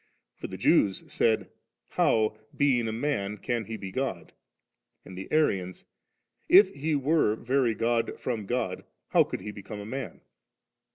For the Jews said ;* How, being a man, can He be God?' And the Arians, * If He were very God from God, how could He become man